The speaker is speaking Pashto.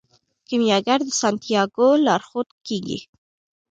کیمیاګر د سانتیاګو لارښود کیږي.